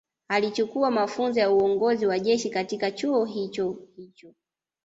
Alichukua mafunzo ya uongozi wa jeshi katika chuo hicho hicho